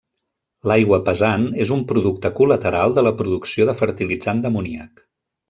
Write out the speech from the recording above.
L'aigua pesant és un producte col·lateral de la producció de fertilitzant d'amoníac.